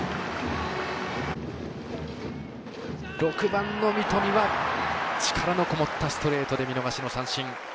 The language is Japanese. ６番の三富は力のこもったストレートで見逃し三振。